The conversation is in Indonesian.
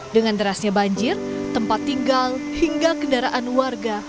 dengan derasnya banjir tempat tinggal hingga kendaraan warga